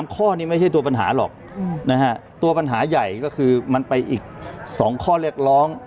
ข้อนี้ไม่ใช่ตัวปัญหาหรอกนะฮะตัวปัญหาใหญ่ก็คือมันไปอีก๒ข้อเรียกร้อง